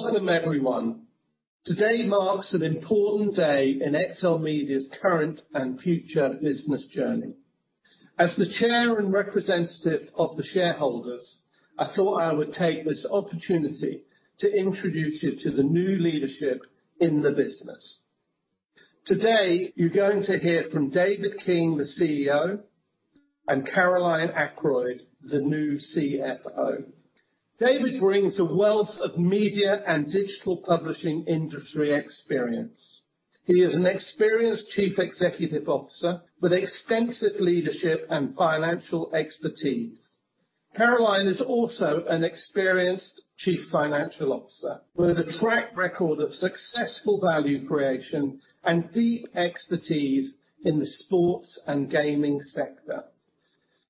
Welcome, everyone. Today marks an important day in XLMedia's current and future business journey. As the Chair and Representative of the Shareholders, I thought I would take this opportunity to introduce you to the new leadership in the business. Today, you're going to hear from David King, the CEO, and Caroline Ackroyd, the new CFO. David brings a wealth of media and digital publishing industry experience. He is an experienced Chief Executive Officer with extensive leadership and financial expertise. Caroline is also an experienced Chief Financial Officer with a track record of successful value creation and deep expertise in the sports and gaming sector.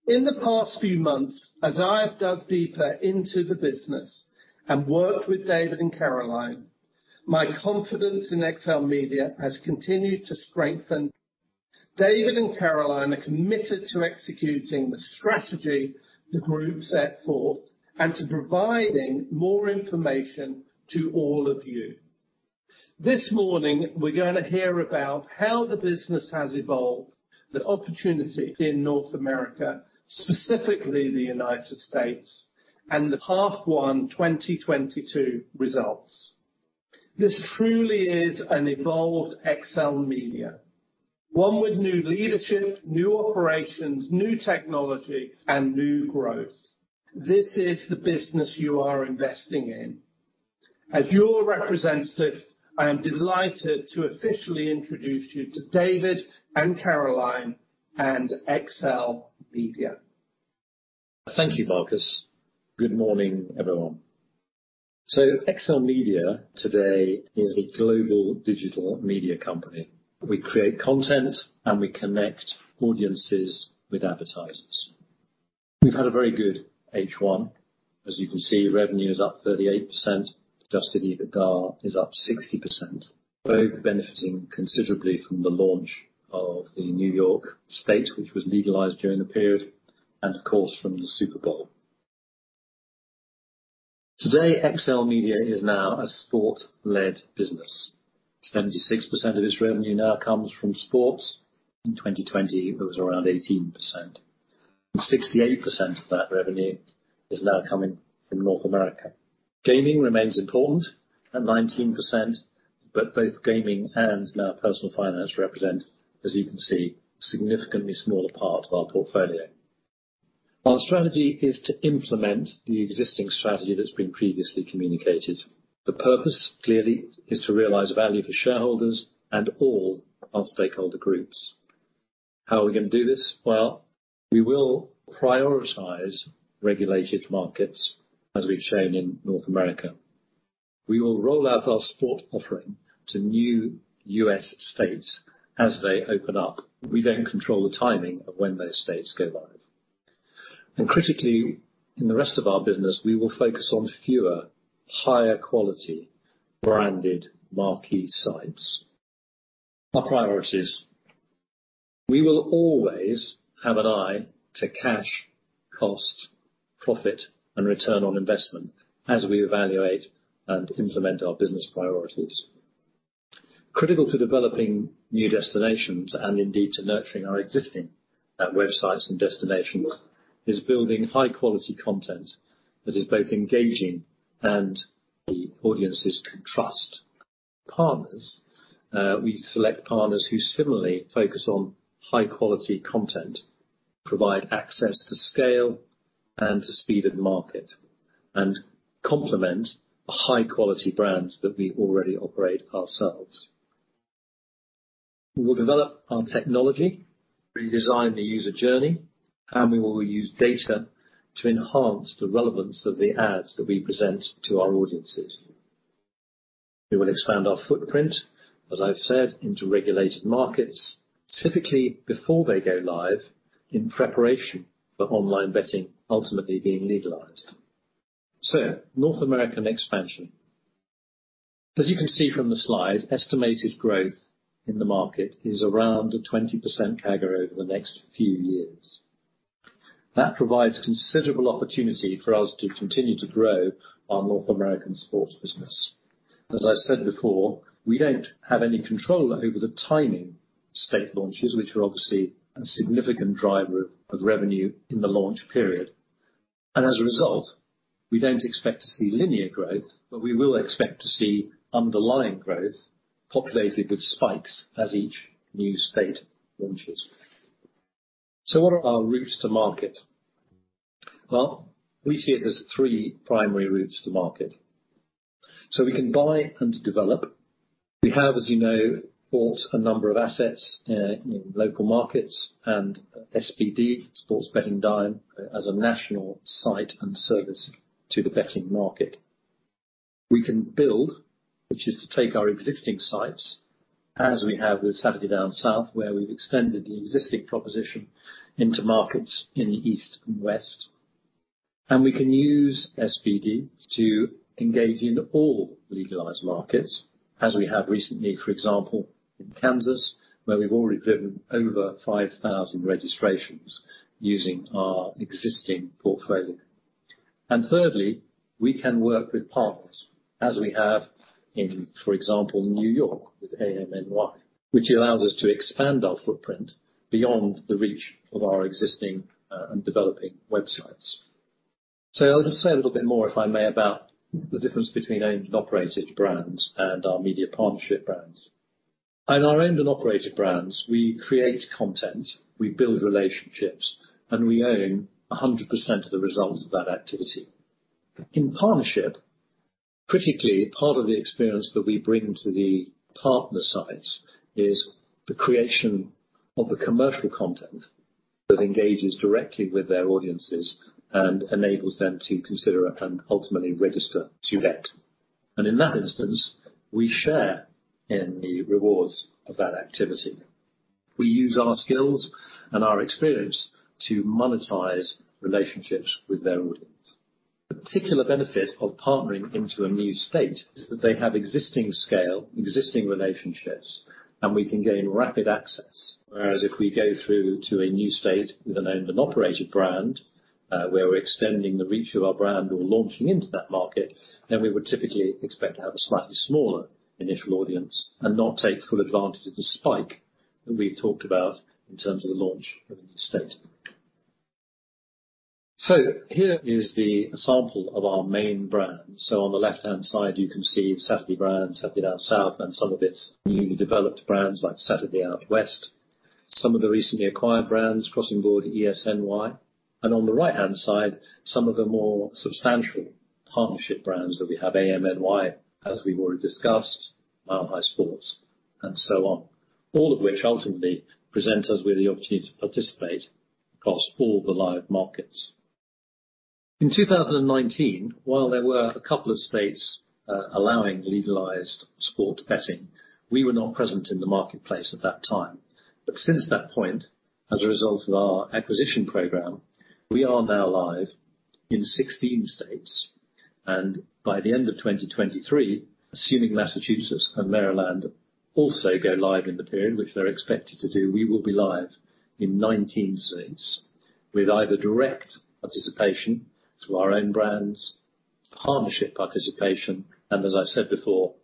In the past few months, as I have dug deeper into the business and worked with David and Caroline, my confidence in XLMedia has continued to strengthen. David and Caroline are committed to executing the strategy the group set forth and to providing more information to all of you. This morning, we're going to hear about how the business has evolved, the opportunity in North America, specifically the United States, and the H1 2022 results. This truly is an evolved XLMedia, one with new leadership, new operations, new technology, and new growth. This is the business you are investing in. As your representative, I am delighted to officially introduce you to David and Caroline and XLMedia. Thank you, Marcus. Good morning, everyone. So XLMedia today is a global digital media company. We create content, and we connect audiences with advertisers. We've had a very good H1. As you can see, revenue is up 38%. Adjusted EBITDA is up 60%, both benefiting considerably from the launch of the New York State, which was legalized during the period, and, of course, from the Super Bowl. Today, XLMedia is now a sport-led business. 76% of its revenue now comes from sports. In 2020, it was around 18%. 68% of that revenue is now coming from North America. Gaming remains important at 19%, but both Gaming and now Personal Finance represent, as you can see, a significantly smaller part of our portfolio. Our strategy is to implement the existing strategy that's been previously communicated. The purpose, clearly, is to realize value for shareholders and all our stakeholder groups. How are we going to do this? Well, we will prioritize regulated markets, as we've shown in North America. We will roll out our sports offering to new U.S. states as they open up. We then control the timing of when those states go live, and critically, in the rest of our business, we will focus on fewer, higher-quality, branded marquee sites. Our priorities: we will always have an eye to cash, cost, profit, and return on investment as we evaluate and implement our business priorities. Critical to developing new destinations and, indeed, to nurturing our existing websites and destinations is building high-quality content that is both engaging and the audience's trust. Partners: we select partners who similarly focus on high-quality content, provide access to scale and to speed of market, and complement the high-quality brands that we already operate ourselves. We will develop our technology, redesign the user journey, and we will use data to enhance the relevance of the ads that we present to our audiences. We will expand our footprint, as I've said, into regulated markets, typically before they go live in preparation for online betting ultimately being legalized. So, North American expansion. As you can see from the slide, estimated growth in the market is around a 20% CAGR over the next few years. That provides considerable opportunity for us to continue to grow our North American sports business. As I said before, we don't have any control over the timing of state launches, which are obviously a significant driver of revenue in the launch period. And as a result, we don't expect to see linear growth, but we will expect to see underlying growth populated with spikes as each new state launches. What are our routes to market? Well, we see it as three primary routes to market. We can buy and develop. We have, as you know, bought a number of assets in local markets and SBD, Sports Betting Dime, as a national site and service to the betting market. We can build, which is to take our existing sites, as we have with Saturday Down South, where we've extended the existing proposition into markets in the East and West. And we can use SBD to engage in all legalized markets, as we have recently, for example, in Kansas, where we've already driven over 5,000 registrations using our existing portfolio. And thirdly, we can work with partners, as we have in, for example, New York with amNY, which allows us to expand our footprint beyond the reach of our existing and developing websites. I'll just say a little bit more, if I may, about the difference between owned and operated brands and our media partnership brands. In our owned and operated brands, we create content, we build relationships, and we own 100% of the results of that activity. In partnership, critically, part of the experience that we bring to the partner sites is the creation of the commercial content that engages directly with their audiences and enables them to consider and ultimately register to bet. In that instance, we share in the rewards of that activity. We use our skills and our experience to monetize relationships with their audience. The particular benefit of partnering into a new state is that they have existing scale, existing relationships, and we can gain rapid access. Whereas if we go through to a new state with an owned and operated brand, where we're extending the reach of our brand or launching into that market, then we would typically expect to have a slightly smaller initial audience and not take full advantage of the spike that we've talked about in terms of the launch of a new state. So, here is the sample of our main brands. So, on the left-hand side, you can see Saturday brand, Saturday Down South, and some of its newly developed brands like Saturday Out West. Some of the recently acquired brands, Crossing Broad, ESNY. And on the right-hand side, some of the more substantial partnership brands that we have: amNY, as we've already discussed, Mile High Sports, and so on, all of which ultimately present us with the opportunity to participate across all the live markets. In 2019, while there were a couple of states allowing legalized sports betting, we were not present in the marketplace at that time. But since that point, as a result of our acquisition program, we are now live in 16 states. And by the end of 2023, assuming Massachusetts and Maryland also go live in the period, which they're expected to do, we will be live in 19 states with either direct participation through our own brands, partnership participation, and, as I've said before,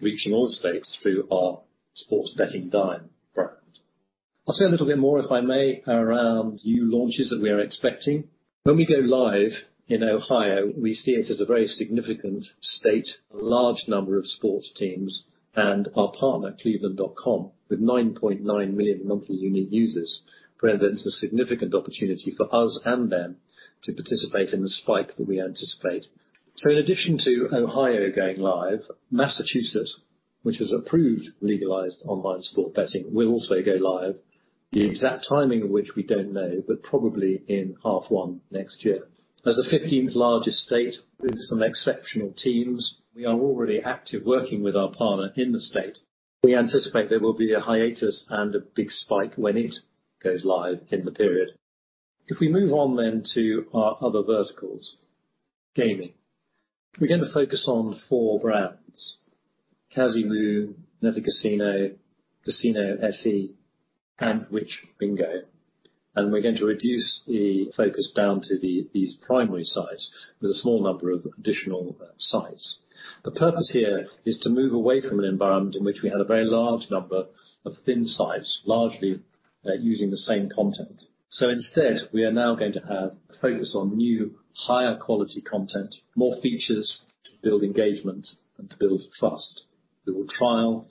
reaching all states through our Sports Betting Dime brand. I'll say a little bit more, if I may, around new launches that we are expecting. When we go live in Ohio, we see it as a very significant state, a large number of sports teams, and our partner, Cleveland.com, with 9.9 million monthly unique users. It presents a significant opportunity for us and them to participate in the spike that we anticipate, so in addition to Ohio going live, Massachusetts, which has approved legalized online sports betting, will also go live. The exact timing of which we don't know, but probably in H1 next year. As the 15th largest state with some exceptional teams, we are already active working with our partner in the state. We anticipate there will be a hiatus and a big spike when it goes live in the period. If we move on then to our other verticals, gaming, we're going to focus on four brands: Caziwoo, Nettikasinot, Casino.se, and WhichBingo, and we're going to reduce the focus down to these primary sites with a small number of additional sites. The purpose here is to move away from an environment in which we had a very large number of thin sites, largely using the same content. So instead, we are now going to have a focus on new, higher-quality content, more features to build engagement and to build trust. We will trial,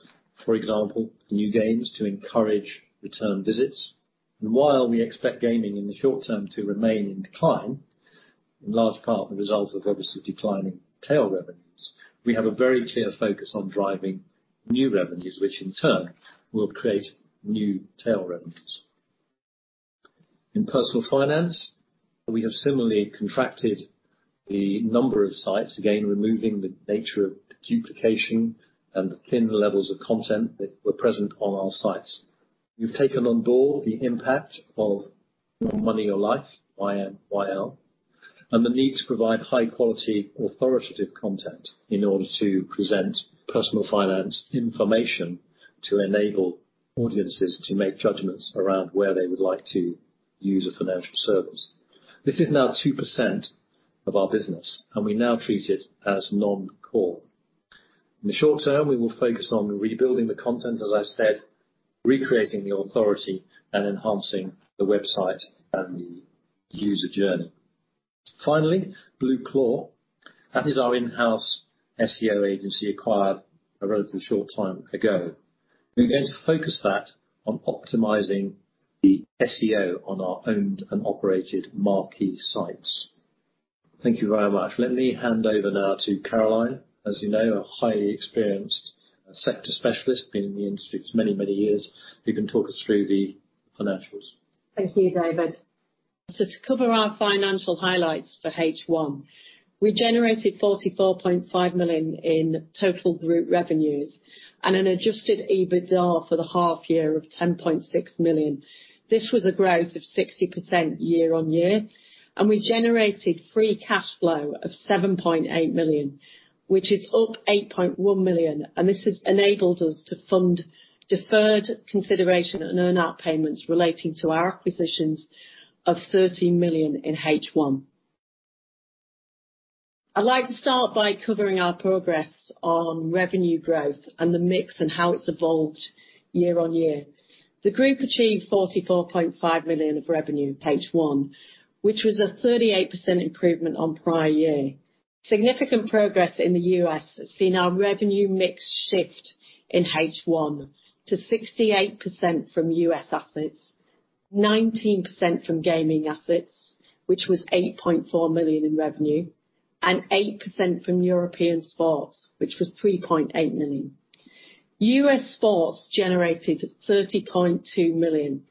for example, new games to encourage return visits. And while we expect gaming in the short term to remain in decline, in large part the result of obviously declining tail revenues, we have a very clear focus on driving new revenues, which in turn will create new tail revenues. In Personal Finance, we have similarly contracted the number of sites, again removing the nature of duplication and the thin levels of content that were present on our sites. We've taken on board the impact of Your Money or Your Life (YMYL) and the need to provide high-quality authoritative content in order to present personal finance information to enable audiences to make judgments around where they would like to use a financial service. This is now 2% of our business, and we now treat it as non-core. In the short term, we will focus on rebuilding the content, as I've said, recreating the authority, and enhancing the website and the user journey. Finally, Blueclaw Media, that is our in-house SEO agency, acquired a relatively short time ago. We're going to focus that on optimizing the SEO on our owned and operated marquee sites. Thank you very much. Let me hand over now to Caroline, as you know, a highly experienced sector specialist being in the industry for many, many years. You can talk us through the financials. Thank you, David. To cover our financial highlights for H1, we generated $44.5 million in total group revenues and an Adjusted EBITDA for the half year of $10.6 million. This was a growth of 60% year-on-year. We generated free cash flow of $7.8 million, which is up $8.1 million. This has enabled us to fund deferred consideration and earn-out payments relating to our acquisitions of $13 million in H1. I'd like to start by covering our progress on revenue growth and the mix and how it's evolved year-on-year. The group achieved $44.5 million of revenue H1, which was a 38% improvement on prior year. Significant progress in the U.S. has seen our revenue mix shift in H1 to 68% from U.S. assets, 19% from gaming assets, which was $8.4 million in revenue, and 8% from European Sports, which was $3.8 million. U.S. Sports generated $30.2 million.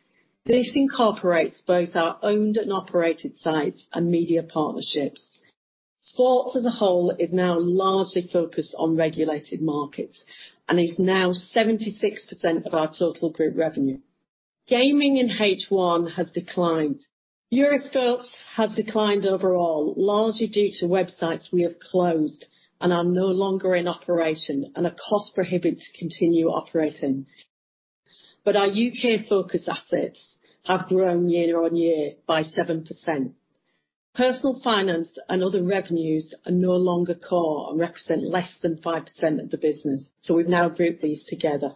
This incorporates both our owned and operated sites and media partnerships. Sports as a whole is now largely focused on regulated markets and is now 76% of our total group revenue. Gaming in H1 has declined. Euro Sports has declined overall, largely due to websites we have closed and are no longer in operation and are cost-prohibitive to continue operating. But our U.K.-focused assets have grown year-on-year by 7%. Personal Finance and other revenues are no longer core and represent less than 5% of the business, so we've now grouped these together.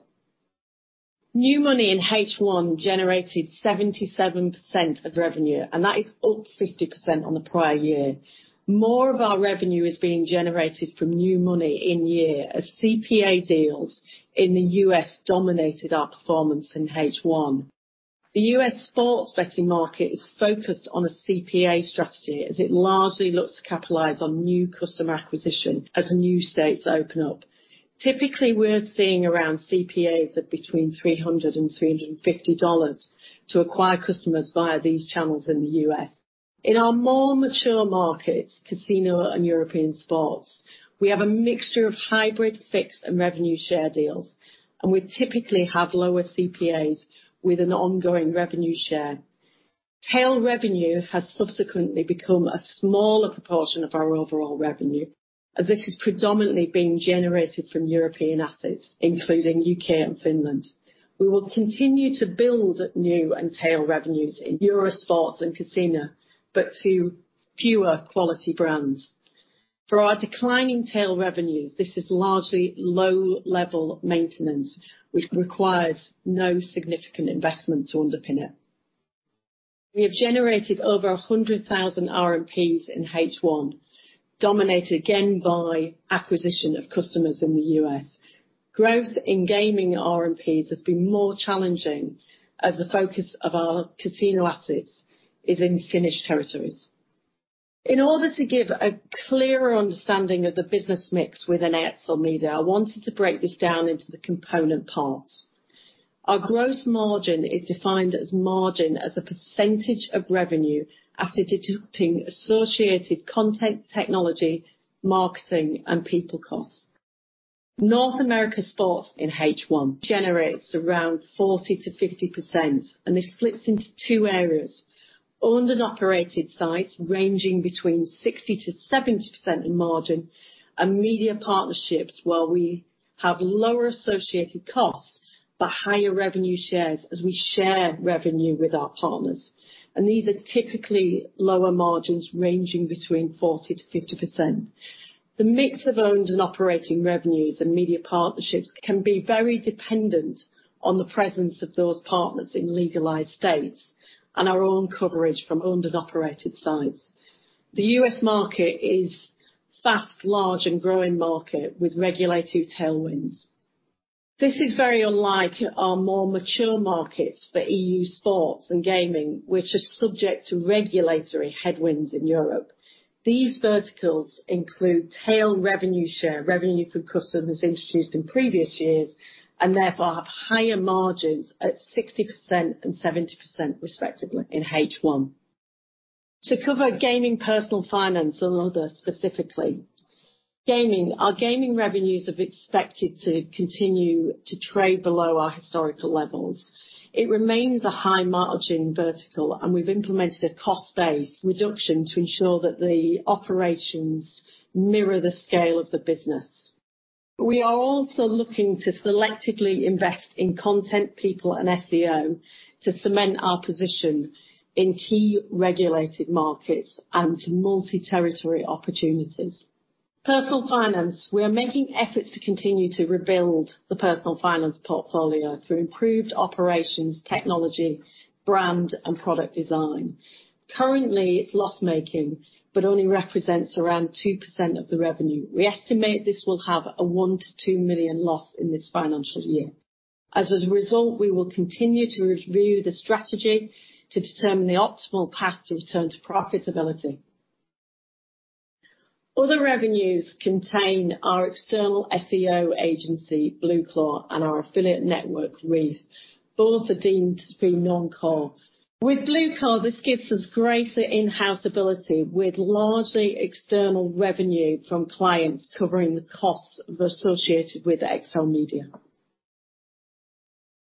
New money in H1 generated 77% of revenue, and that is up 50% on the prior year. More of our revenue is being generated from new money in year as CPA deals in the U.S. dominated our performance in H1. The U.S. sports betting market is focused on a CPA strategy as it largely looks to capitalize on new customer acquisition as new states open up. Typically, we're seeing around CPAs of between $300 and $350 to acquire customers via these channels in the U.S. In our more mature markets, casino and European Sports, we have a mixture of hybrid, fixed, and revenue-share deals, and we typically have lower CPAs with an ongoing revenue share. Tail revenue has subsequently become a smaller proportion of our overall revenue, as this is predominantly being generated from European assets, including U.K. and Finland. We will continue to build new and tail revenues in Euro Sports and casino, but to fewer quality brands. For our declining tail revenues, this is largely low-level maintenance, which requires no significant investment to underpin it. We have generated over 100,000 RMPs in H1, dominated again by acquisition of customers in the U.S. Growth in gaming RMPs has been more challenging as the focus of our casino assets is in Finnish territories. In order to give a clearer understanding of the business mix within XLMedia, I wanted to break this down into the component parts. Our gross margin is defined as margin as a percentage of revenue after deducting associated content, technology, marketing, and people costs. North America Sports in H1 generates around 40%-50%, and this splits into two areas: owned and operated sites ranging between 60%-70% in margin, and media partnerships, where we have lower associated costs but higher revenue shares as we share revenue with our partners, and these are typically lower margins ranging between 40%-50%. The mix of owned and operating revenues and media partnerships can be very dependent on the presence of those partners in legalized states and our own coverage from owned and operated sites. The U.S. market is a fast, large, and growing market with regulated tailwinds. This is very unlike our more mature markets for E.U. sports and gaming, which are subject to regulatory headwinds in Europe. These verticals include tail revenue share, revenue from customers introduced in previous years, and therefore have higher margins at 60% and 70%, respectively, in H1. To cover Gaming, Personal Finance, and others specifically. Gaming, our gaming revenues are expected to continue to trade below our historical levels. It remains a high-margin vertical, and we've implemented a cost-based reduction to ensure that the operations mirror the scale of the business. We are also looking to selectively invest in content, people, and SEO to cement our position in key regulated markets and multi-territory opportunities. Personal Finance, we are making efforts to continue to rebuild the Personal Finance portfolio through improved operations, technology, brand, and product design. Currently, it's loss-making, but only represents around 2% of the revenue. We estimate this will have a $1 million-$2 million loss in this financial year. As a result, we will continue to review the strategy to determine the optimal path to return to profitability. Other revenues contain our external SEO agency, Blueclaw, and our affiliate network, Reef Media. Both are deemed to be non-core. With Blueclaw, this gives us greater in-house ability with largely external revenue from clients covering the costs associated with XLMedia.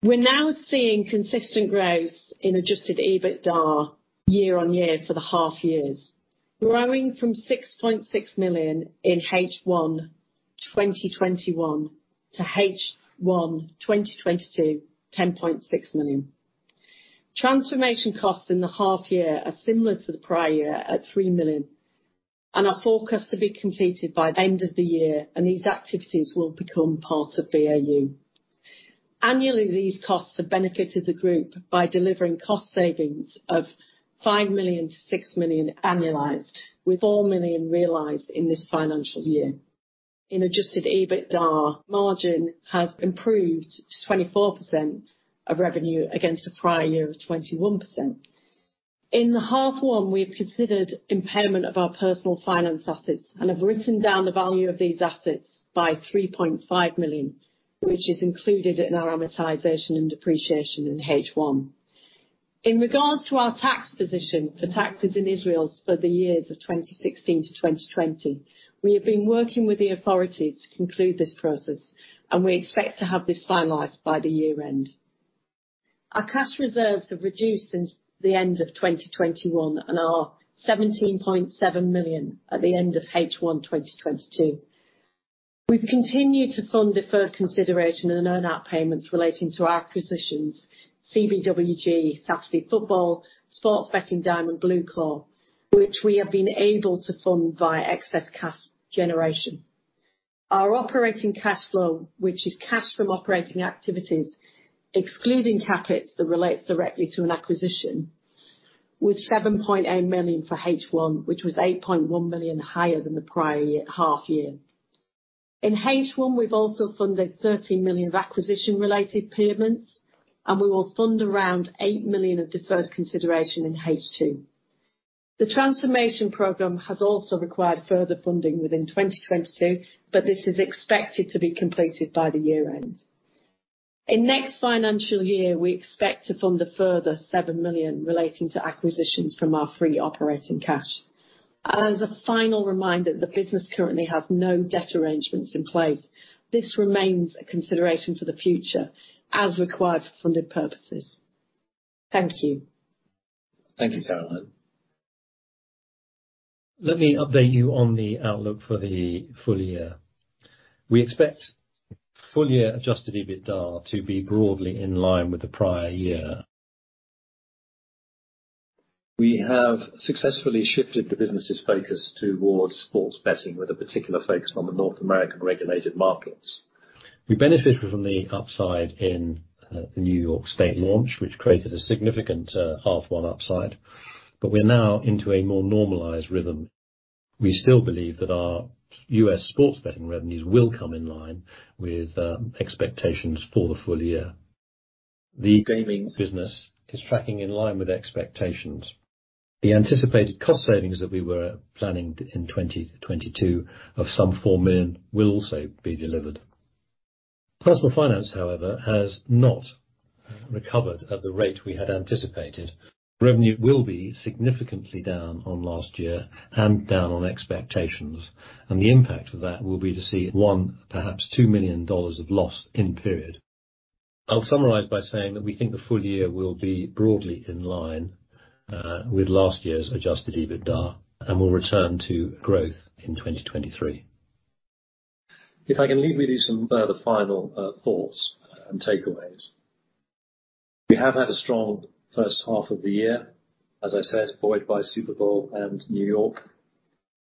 We're now seeing consistent growth in Adjusted EBITDA year on year for the half years, growing from $6.6 million in H1 2021 to H1 2022, $10.6 million. Transformation costs in the half year are similar to the prior year at $3 million, and are forecast to be completed by the end of the year, and these activities will become part of BAU. Annually, these costs have benefited the group by delivering cost savings of $5 million-$6 million annualized, with $4 million realized in this financial year. In Adjusted EBITDA, margin has improved to 24% of revenue against a prior year of 21%. In H1, we've considered impairment of our Personal Finance assets and have written down the value of these assets by $3.5 million, which is included in our amortization and depreciation in H1. In regards to our tax position for taxes in Israel for the years of 2016 to 2020, we have been working with the authorities to conclude this process, and we expect to have this finalized by the year end. Our cash reserves have reduced since the end of 2021 and are $17.7 million at the end of H1 2022. We've continued to fund deferred consideration and earn-out payments relating to our acquisitions: CBWG, Saturday Football, Sports Betting Dime, Blueclaw, which we have been able to fund via excess cash generation. Our operating cash flow, which is cash from operating activities, excluding CapEx that relates directly to an acquisition, was $7.8 million for H1, which was $8.1 million higher than the prior half year. In H1, we've also funded $13 million of acquisition-related payments, and we will fund around $8 million of deferred consideration in H2. The transformation program has also required further funding within 2022, but this is expected to be completed by the year end. In next financial year, we expect to fund a further $7 million relating to acquisitions from our free operating cash. As a final reminder, the business currently has no debt arrangements in place. This remains a consideration for the future as required for funded purposes. Thank you. Thank you, Caroline. Let me update you on the outlook for the full year. We expect full-year Adjusted EBITDA to be broadly in line with the prior year. We have successfully shifted the business's focus towards sports betting with a particular focus on the North American regulated markets. We benefited from the upside in the New York State launch, which created a significant H1 upside, but we're now into a more normalized rhythm. We still believe that our U.S. Sports betting revenues will come in line with expectations for the full year. The gaming business is tracking in line with expectations. The anticipated cost savings that we were planning in 2022 of some $4 million will also be delivered. Personal Finance, however, has not recovered at the rate we had anticipated. Revenue will be significantly down on last year and down on expectations, and the impact of that will be to see one, perhaps $2 million of loss in period. I'll summarize by saying that we think the full year will be broadly in line with last year's Adjusted EBITDA and will return to growth in 2023. If I can leave with you some further final thoughts and takeaways. We have had a strong first half of the year, as I said, buoyed by Super Bowl and New York.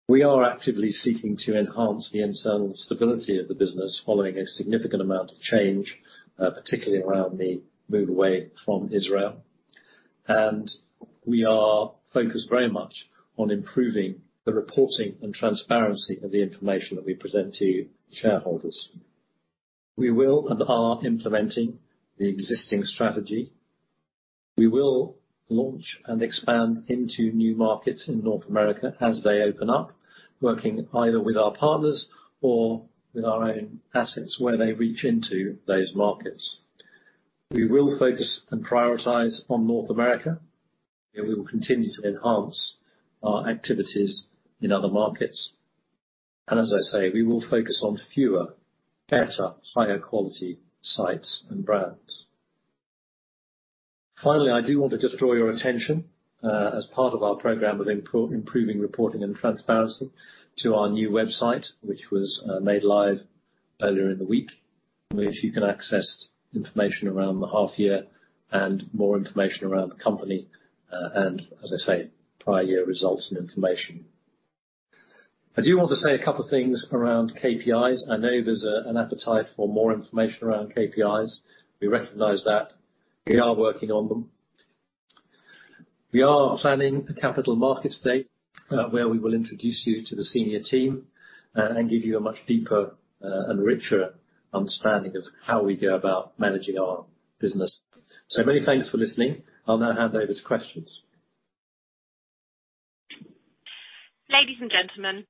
We are actively seeking to enhance the internal stability of the business following a significant amount of change, particularly around the move away from Israel. We are focused very much on improving the reporting and transparency of the information that we present to shareholders. We will and are implementing the existing strategy. We will launch and expand into new markets in North America as they open up, working either with our partners or with our own assets where they reach into those markets. We will focus and prioritize on North America, and we will continue to enhance our activities in other markets, and as I say, we will focus on fewer, better, higher-quality sites and brands. Finally, I do want to just draw your attention as part of our program of improving reporting and transparency to our new website, which was made live earlier in the week, which you can access information around the half year and more information around the company and, as I say, prior year results and information. I do want to say a couple of things around KPIs. I know there's an appetite for more information around KPIs. We recognize that. We are working on them. We are planning a Capital Markets Day where we will introduce you to the senior team and give you a much deeper and richer understanding of how we go about managing our business. So many thanks for listening. I'll now hand over to questions. Ladies and gentlemen,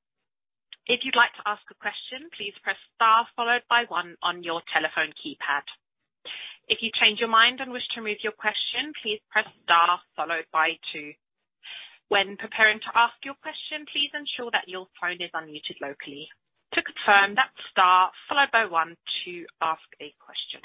if you'd like to ask a question, please press star followed by one on your telephone keypad. If you change your mind and wish to remove your question, please press star followed by two. When preparing to ask your question, please ensure that your phone is unmuted locally. To confirm, that's star followed by one to ask a question.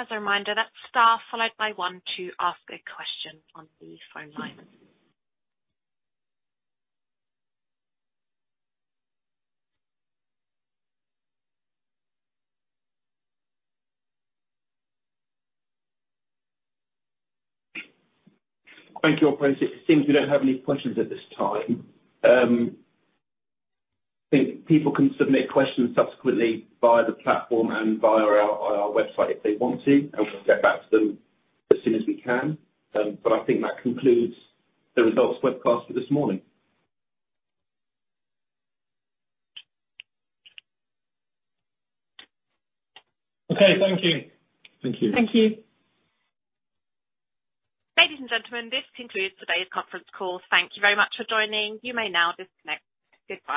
As a reminder, that's star followed by one to ask a question on the phone line. Thank you, operator. It seems we don't have any questions at this time. I think people can submit questions subsequently via the platform and via our website if they want to, and we'll get back to them as soon as we can. But I think that concludes the results webcast for this morning. Okay, thank you. Thank you. Thank you. Ladies and gentlemen, this concludes today's conference call. Thank you very much for joining. You may now disconnect. Good.